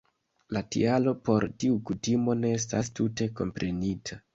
La tialo por tiu kutimo ne estas tute komprenita.